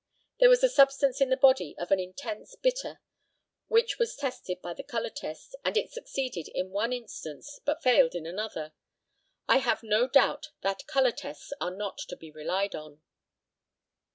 There was a substance in the body of an intense bitter, which was tested by the colour test, and it succeeded in one instance, but failed in another. I have no doubt that colour tests are not to be relied on.